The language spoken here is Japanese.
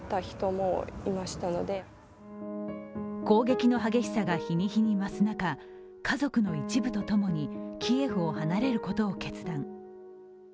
攻撃の激しさが日に日に増す中、家族の一部と共にキエフを離れることを決断。